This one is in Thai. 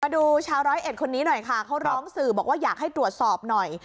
ดูชาวร้อยเอ็ดคนนี้หน่อยค่ะเขาร้องสื่อบอกว่าอยากให้ตรวจสอบหน่อย